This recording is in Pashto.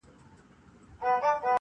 • حافظه يې ژوندۍ ساتي تل تل,